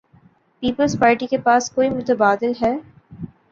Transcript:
Peoples Party کے پاس کو ئی متبادل ہے؟